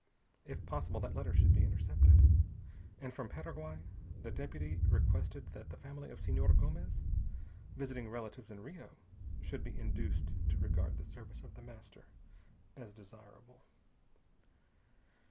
If possible, that letter should be intercepted. And from Paraguay the deputy requested that the family of Senor Gomez, visiting relatives in Rio, should be induced to regard the service of The Master as desirable....